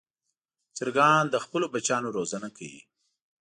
چرګان د خپلو بچیانو روزنه کوي.